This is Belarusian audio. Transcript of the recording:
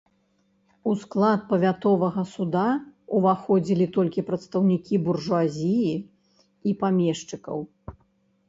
У склад павятовага суда ўваходзілі толькі прадстаўнікі буржуазіі і памешчыкаў.